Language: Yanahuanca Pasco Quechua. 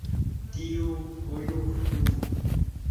tiyuu qulluq runam.